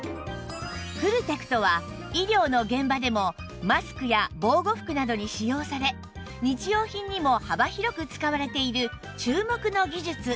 フルテクトは医療の現場でもマスクや防護服などに使用され日用品にも幅広く使われている注目の技術